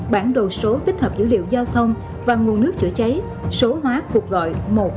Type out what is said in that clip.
bản đồ số tích hợp dữ liệu giao thông và nguồn nước chữa cháy số hóa cuộc gọi một trăm một mươi bốn